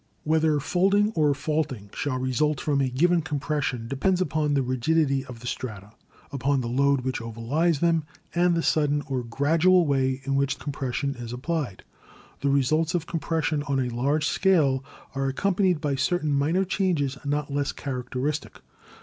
Whether folding or faulting shall result from a given compression depends upon the rigidity of the strata, upon the load which overlies them, and the sudden or gradual way in which compression is applied. The results of compression on a large scale are accompanied by cer tain minor changes not less characteristic.